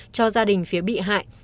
cho gia đình phía bị hại